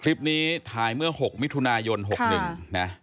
คลิปนี้ถ่ายเมื่อ๖มิถุนายน๖๑นะ